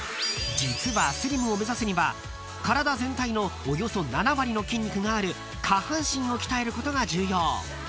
［実はスリムを目指すには体全体のおよそ７割の筋肉がある下半身を鍛えることが重要］